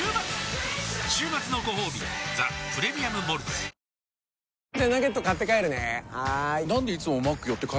週末のごほうび「ザ・プレミアム・モルツ」きたきた！